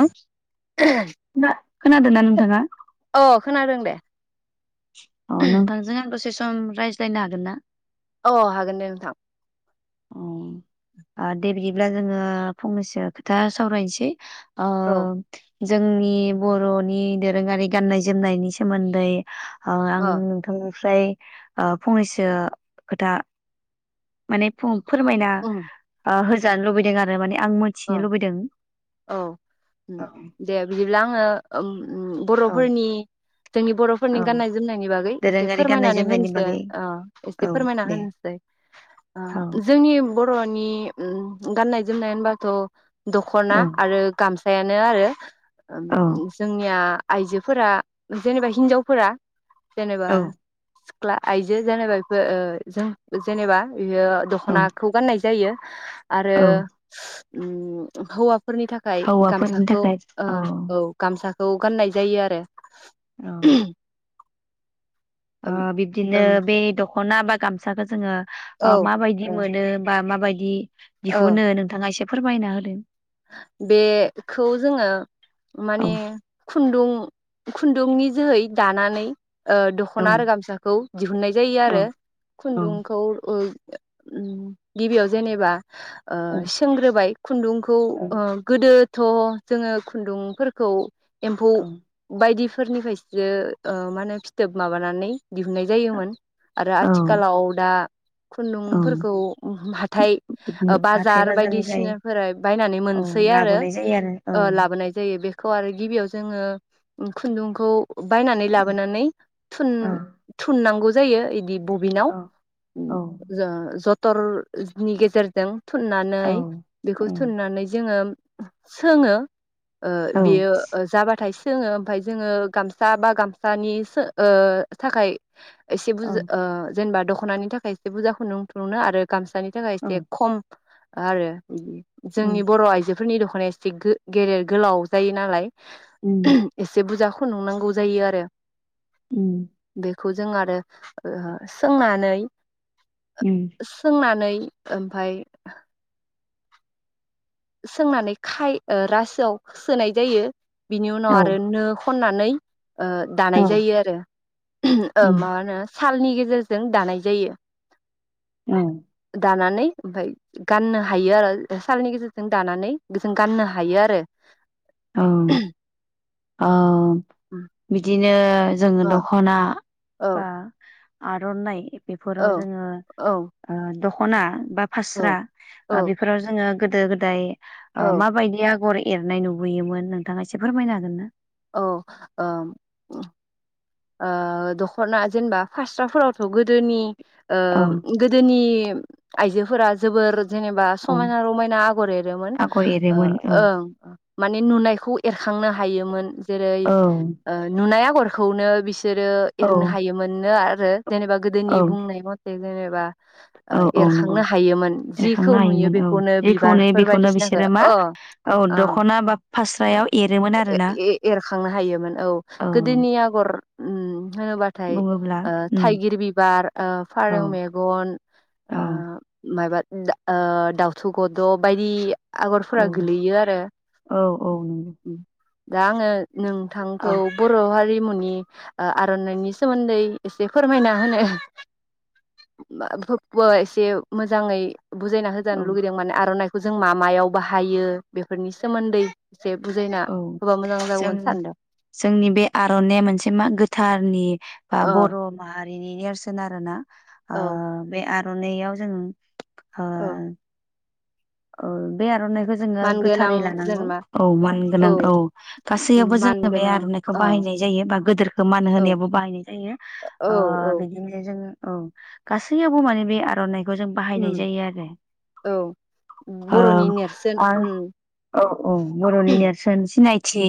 आ [unintelligible] खोनादों ना नोंथाङा? खोनादों दे अ नोंथांजों आं दसे सम सम रायज्लायनो हागोन ना? औ हागोन दे नोंथां दे बिदिब्ला जोङो फंनैसो खोथा सावरायनोसै। आ औ जोंनि बर'नि दोरोङारि गाननाय जोमनायनि सोमोन्दै अ अ आं नोंथांजों ओमफ्राय ओ फंनैसो खोथा माने फु फोरमायना ओ जानो लुबैदों आरो माने। आं औ मोनथिनो लुबैदों औ औ दे बिदिब्ला आङो औ बर'फोरनि जोंनि औ बर'फोरनि गाननाय जोमनायनि बागै एसे दोरोङारि गाननाय फोरमायनानै जोमनायनि होनोसै बागै ओ एसे औ फोरमायना दे होनोसै औ ओ जोंनि बर'नि उम गाननाय जोमनाय होनबा थ' दख'ना औ आरो गामसाया नो आरो औ जोंनिया आइजोफोरा जेनेबा हिनजावफोरा जेनेबा औ सि ख्ला आइजो जेनेबा बेफोर जों जेनेबा इयो औ दख'नाखौ गाननाय जायो। आरो औ उम हौवा फोरनि थाखाय हौवाफोरनि गामसाखौ थाखाय ओ औ गामसा खौ गाननाय जायो आरो। औ ओ ओम बिबदिनो ओम बे दख ख'ना बा गामसाखो जोङो ओ औ माबायदि ओ मोनो बा माबाय दि ओ दिहुनो नोंथाङा एसे फोरमायना होदो। बेखौ जोङो औ माने खुन्दुं खुन्दुंनि जोहै दानानै ओ औ दख'ना आरो गामसाखौ दिहुनाय जायो औ आरो औ खुन्दुंखौ ओ ओ उम गिबियाव जेनेबा ओ सोंग्रोबाय खुन्दुंखौ औ गोदोथ' जोङो खुन्दुंफोरखौ एम्फौ औ बायदि फोरनिफ्रायसो ओ मानो फिथोब माबानानै दिहुननाय जायोमोन आरो औ आथिखालाव दा औ खुन्दुंफोरखौ हाथाइ बिदि ओ हाथाय बाजार बाजारनिफ्राय बायदिसिनाफोराय बायनानै औ मोनसै आरो लाबोनाय जायो आरो ओ लाबोनाय जायो। ए बेखौ आरो गिबियाव जोङो खुन्दुंखौ बायनानै औ लाबोनानै औ थुन-थुननांगौ जायो इदि बबिनाव औ उम औ जों ज थरनि गेजेरजों थुननानै बेखौ औ औ थुननानै जोङो सोङो। ओ औ बेयो जाबाथाय जोङो ओमफाय जोङो गामसा बा गामसानि थाखाय एसे बुज औ ओ जेनेबा दख ख'नायनि थाखाय एसे बुरजाखौ नुथुनो आरो गा सानि थाखाय एसे औ खम आरो उम जोंनि आायजोफोरनि दख'नाया एसे गेदेर गोलाव जायो नालाय उम एसे बुजा खुनदुं नांगौ जायो आरो। उम खौ जों आरो ओ सोंनानै उम सोंनानै ओमफाय सोंनानै खाय ओ रासोआव सोनाय जायो। बिनि उनाव औ आरो नो खननानै ओ दानाय औ जायो आरो [unintelligible] ओ उम मा होनो थालनि गेजेरजों दानाय जायो। औ। जानानै ओमफ्राय गाननो हायो आरो सालनि गेजेरजों। जों दानानै बेजों गाननो हायो आरो। औ अ बिदिनो जोङो अ दख'ना औ बा आरो आर'नाइ बेफोराव औ जोङो औ ओ द खना बा फास्रा औ ओ बेफोराव जोङो गोदो गोदाय ओ औ माबायदि आगर एरनाय नुबोयोन नोंथाङा एसे फोरमायनो हागोन ना औ ओ ओ दख'ना जेनेबा फास्राफोरावथ' गोदोनि ओ औ गोदोनि आइजोफोरा जोबोर जेनेबा औ समायना रमायना आगर एरोमोन आगर ओ एरोमोन औ ओं माने नुनायखौ एरखांनो हायोमोन जेरै औ ओ नुनाय आ गरखौनो बिस बिसोरो औ एरनो हायोमोन नो आ रो जेनेबा औ गोदोनि बुंनाय मथे जेनेब बा औ औ नंगौ जिखौ एरखांनो नुयो हायोमोन औ बेखौनो जेखौनो बिबारफोर बेखौनो बायदिसिनाखौ बिसोरो मा अ औ ओं दख'ना बा फास्रायाव एरोमोन आरोना खांनो हायोमोन औ गोदोनि आगर उम होनोबाथाय बुङोब्ला ओ उम थाइगिर बिबार ओ औ फारौ मेगन ओ औ मायबा दा ओ दाउथु गद' बायदि औ आगरफोरा गोलैयो आरो औ औ नंगौ दा ङो औ नोंथांखौ बर' हारिमुनि ओ आर'नाइनि सोमोन्दै एसे फोरमायना होनो एसे मोजाङै बुजायना औ होजानो लुगैदों माने आर'नाय खौ जों मा मायाव बाहायो बेफोरनि सोमोन्दै से बुजायना औ होबा मोजां जों जागौमोन सानदों जोंनि बे आर'नाया मोनसे मा गोथारनि बा ओ बर' मा हारिनि नेरसोन आरो ना ओ औ बे आरो नैयाव जों ओ औ औ बे आर'नाइखौ जोङो मानगोनां गोथारै लानांगौ जेनेबा औ मान गोनां औ गासैयावबो जोङो बे मानगोनां आर'नाइखौ औ बाहायनाय जायो बा गोदोरखौ मान औ होनायावबो बाहायनाय जायो औ ओ औ बिदिनो जों औ गासैयावबो माने बे आर'नाइ जों बाहायनाय उम जायो आरो औ बर'नि नेरसोन औ उम औ औ बर'नि नेरसोन सिनायथि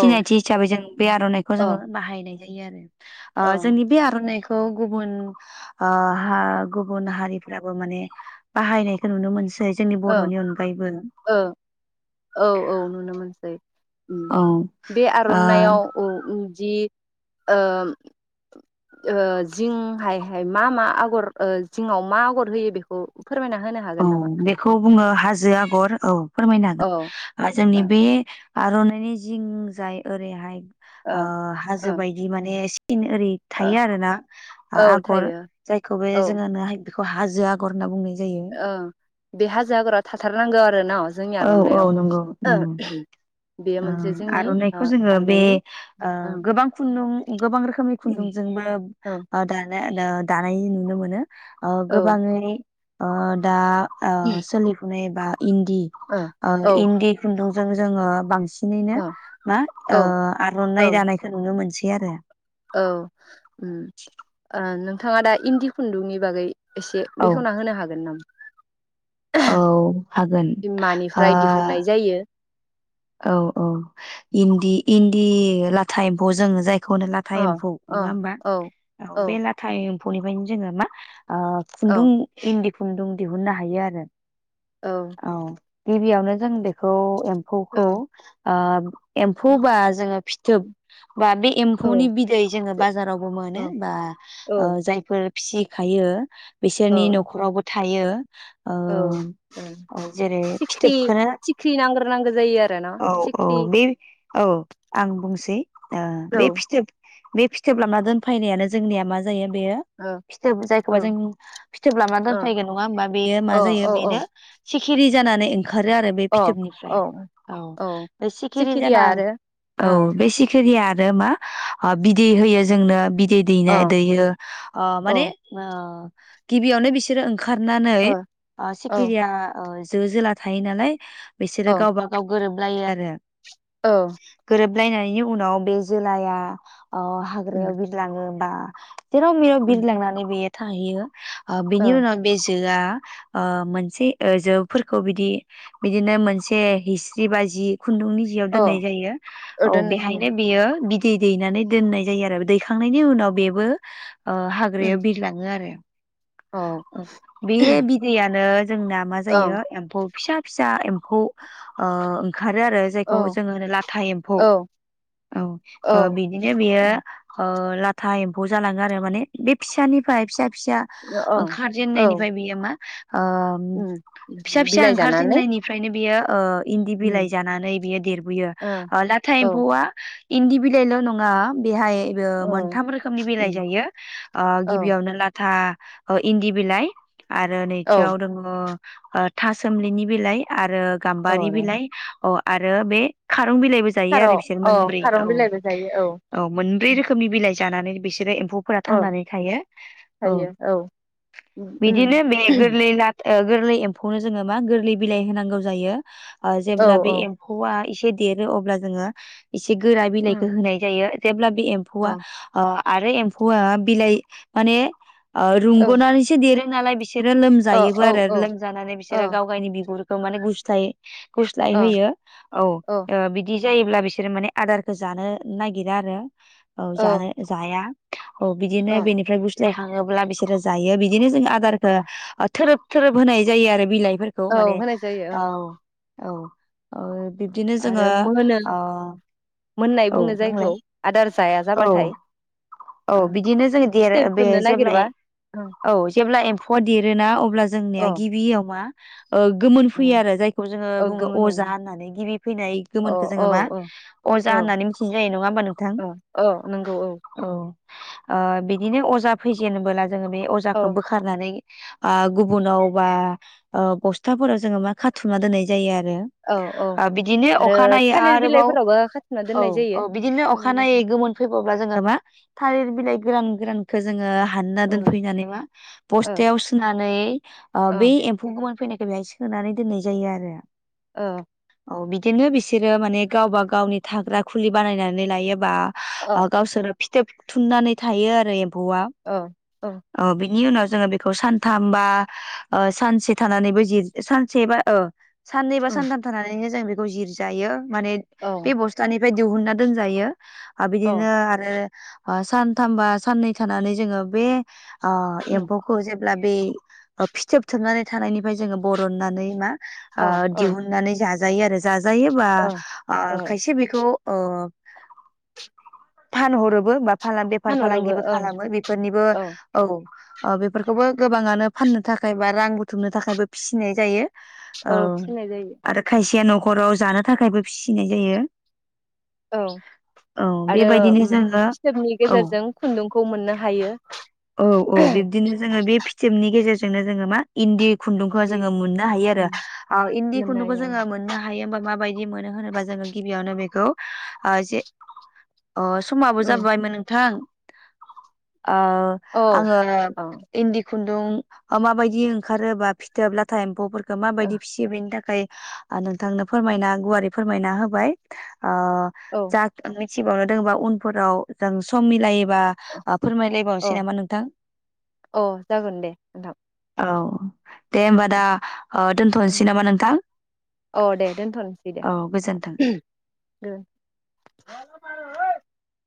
औ हिसाबै जों बे आर'नाइखौ अ जोङो बाहायनाय [unintelligible] ओ जोंनि बे आर'नाइखौ ओ गुबुन ओ हा गुबुन हारिफ्राबो माने बाहायनाय नुनो मोनसै औ औ औ औ नुनो मोनसै औ बे ओ आर'नायाव औ उ जि ओ ओ जिंहाय हाय मा मा आगर ओ जिङाव मा आगर होयो बेखौ फोरमायना होनो हागोन नामा खौ बुङो हाजो आगर औ फोरमायनो औ हागोन जोंनि ओ बे आर'नाइनि जिं जाय ओरैहाय ओ ओ हाजो बायदि माने सि फिन ओरै थायो ओ आरोना औ आगर थायो जायखौबो औ जोङो नो बेखौ हाजो आगर होनना बुंनाय जायो ओ बे हाजो आगराव थाथारनांगौ आरो न जोंनि औ आर'नायाव औ नंगौ ओ नंगौ ओ आर'नाइखौ जोङो बे आर'नाइनि ओ ओं गोबां खुन्दुं गोबां रोखोमनि उम खुन्दुंजोंबो औ ओ दानाय दानाय नुनो मोनो ओ औ गोबाङै ओ दा ओ सोलिफुनाय बा इन्दि ओ इन्दि खुन्दुंजों जों जोङो बांसि बिनिनो औ मा औ ओ औ आर'नाइ दानायखौ नुनो मोनसै बि आरो औ ओ नोंथाङा दा इन्दि खुन्दुंनि बागै एसे औ बेखेवना होनो हागोन औ हागोन नामा ओ मानिफ्राय दिहुननाय जायो औ औ इन्दि इन्दि लाथा एम्फौ जों जाय बेखौनो लाथा अ एम्फौ अ नङा होमबा औ औ बे लाथा एम फलिबायनो जोङो मा आ औ खुन्दुं दि खुन्दुं दिहुननो हायो आरो औ गिबियावनो जों बेखौ [unintelligible] खौ औ आ एम्फौ बा जोङो फ जोब बा बे एम्फौनि बिदै जोङो बाजारावबो मोनो औ बा औ ओ जायफोर फिसिखायो। बिसोरनि न'खरावबो था थायो। औ आ औ जेरै सिख्रि फिथोबखोनो सिख्रि नांग्रोनांगौ जायो आरो न औ औ सिख्रि बे औ आं बुंसै औ बे फिथोब बे फिथोब लाना दोनफैनायानो जोंनिया मा जायो बेयो औ फिथोब औ जायखौबा जों फिथोब लाबोना औ दोनफैगोन नङा होमबा बेयो मा औ जायो बेनो। औ सिखिरि जानानै नो ओंखारो आरो बे औ फिथोबनिफ्राय औ बे सिखिरि सिखिरिया जाना आरो औ अ बे सिखिरिया मा बिदै होयो जोंनो बिदै दैनाय अ दैयो माने अ गिबियावनो बिसोर ओंखार ओखारनानै अ औ सिखिरिआ जो जोला थायो नालाय बिसोरो औ गावबा गाव गोरोबलायो आरो आरो औ लायनायनि उनाव बे जोलाया ओ हाग्रायाव बिरलाङो [unintelligible] जेराव मेराव बिरलांनानै बेयो थाहैयो ओ बिनि औ उनाव बे जोआ ओ मोन से ओ जोफोरखौ बिदि बिदिनो मोनसे हिस्रि बाजि खुन्दुंनि जियाव दोननाय जायो औ दोननाय जायो बेहायनो बेयो बि दै दैनानै दोननाय जायो आरो दैखांनायनि उनाव बेबो ओ हाग्रायाव बिरलाङो आरो औ ओ बे बिदैयानो जोंना मा ओं जायो एम्फौ फिसा फिसा एम्फौ ओं खारो आरो औ जायखौ जों लाथा एम्फौ औ औ ओ औ बिदिनो बियो ओ लाथा एम्फौ जालाङो आरो माने बे फिसानिफ्राय फिसा फिसा अ औ ओंखारजेननायनिफ्राय बियो मा आ उम फिसा फिसा बिलाइ जानानै ओंखारजेननायनिफ्रायनो बेयो ओ इनदि उम बिलाइ जानानै बियो देरबोयो ओ लाथा औ एम्फौआ इनदि बिलाइल' नङा बेहाय बेबो औ मोनथाम रोखोमनि बिलाइ उम जायो ओ औ गिबियावनो लाथा अ इनदि बिलाइ आरो औ नैथियाव दङो ओ थासोमलिनि बालाइ आ रो गामबारि औ बिलाइ अ आरो बे फा दों बिलाइबो खार' जायो बिसोर औ मोनब्रै औ खारं बिलाइबो जायो औ मोनब्रै रोखोनि बिलाइ जानानै बिसोरो एम फोरा औ थांनानै थायो। औ उम उम बिदिनो बे गोरलै ला गोरलै एम्फौनो जोङो मा गोरलै बिलाइ होनांगौ जायो। ओ औ जेब्ला बे औ एम्फौआ इ से देरो अब्ला जोङो इसे गोरा बिलाइखौ उम होनाय जायो। जेब्ला बे अ एम्फौआ आरो एम्फौआ बिलाइ माने ओ औ रुंग'नानैसो देरो नालाय बिसोरो औ लोमजायो औ आरो औ लोमजानानै औ बिसोरो गावगायनि बिगुर खो माने गुजथायो गुस्लाय औ होयो औ ओ बिदि जायोब्ला बिसोर माने आदारखौ जानो नागिरा आरो औ जानो जाया औ बिदिनो औ बेनिफ्राय बुस्थ जायखाङोब्ला बिसोरो जायो बिदिनो जोंना आदारखो थोरोब थोरोब होनाय जायो आरो बिलाइ फोरखौ औ माने होनाय जायो औ ओं औ ओ बिब्दिनो जोङो आरो मोनो ओ मोननाय औ बुङो जायखौ बुंलाय आदार जाया औ जाबाथाय औ ओ बिदिनो जोङो देरो फिथोब बे थोबनो जेब्ला नागिरबा ओं औ जेब्ला एम्फौआ देरोना अब्ला जोंनिया अ गिबियाव मा ओ गोमोन औ फैयो आरो जायखौ जोङो बुङो गोमोन अजा गाबनि होननानै गिबि फैनाय औ गोमोनखौ औ जोङो मा औ औ अजा होननानै मिथिनाय जायो नङा होमबा नोंथां औ औ नंगौ औ ओ बिदिनो अजा फैजेनोबोला जोङो बे औ अजाखौ बोखारनानै ओ गुबुनाव बा ओ बस्थाफोराव जोङो मा खाथुमना दोननाय जायो आ रो औ औ ओ बिदिनो आरो अखा नायै थालिर आरोबाव बिलाइफोरावबो खाथुमना औ दोननाय जायो औ बिदिनो थालिर अखा नायै बिलाइखौ मोनफैबावब्ला जोङो मा थालिर बिलाइ गोरान गोरानखो जोङो हानना ओ दोनफैनानै मा ओ बस्थायाव सोना नै ओ बेै एम्फौ गोमोन फैनाय बेहाय सोनानै दोननाय जायो आरो ओ औ बिदिनो बिसोरो माने गावबा गावनि थाग्रा खुलि बानायनानै लायोबा औ आ गावसोर फिथोब थुननानै थायो आरो एम फौआ। औ ओ बिनि उनाव जोङो बेखौ सानथाम बा ओ सानसे थानानैबो जिर सानसे बा ओ साननै बा उम सानथाम थानानैनो जों बे खौ जिर जायो। माने औ बे बस्थानि बाय दिहुनना दोनजायो। आ औ बिदिनो आरो आ सानथामबा साननै थानानै जोङो बे आ उम एमफौखौ जेब ब्ला बे ओ फिथोब थोबनानै थानायनिफ्राय जोङो बरननानै मा ओ औ औ दिहुननानै जा जायो आरो जा- जायोबा औ आ औ खायसे बेखौ अ फानहरोबो बा फालां बेफार फानहरोबो फालांगिबो ओं खालामो बेफोरनिबो औ ओ बेफोरखौबो गोबाङानो फाननो थाखाय बा रां बुथुमनो थाखायबो फिसिनाय जायो। औ फिनाय जायो आरो खायसेया न' खराव जानो थाखायबो फिसिनाय जायो औ औ आरो बेबायदिनो उम जोङो फिथोबनि औ गेजेरजों खुन्दुंखौ मोननो हायो। औ जोंनो जोंङो मा इनदि खुन्दुंखौ बिदि जोङो मोननो हायो आरो उम ओ इनदि मोननो खुन्दुंखौ हायो जोङो मोननो हायो ओमबा माबाय दि मोनो होनोबा जोङो गिबियावनो बेखौ ओ जे अ समाबो उम जाबायमोन नोंथां ओ औ आङो औ इनदि खुनदुं ओ माबायदि ओंखारोबा फिथोब लाथा एम्फौफोर खो माबायदि फिसियो बिनि थाखाय ओ नोंथांनो फोरमायना गुवारै फोरमायना होबाय। ओ औ मिथिबावनो दोङोबा उनफोराव जों सम मिलायो बा आ औ फोरमायलायबावनोसै नामा नोंथां अ जागोन दे नोंथां औ [inaudible] दे होमबा दा ओ दोनथ'नसै नामा नोंथां औ दे दोनथ'नोसै दे औ गोजोन्थों। गोजोन [unintelligible]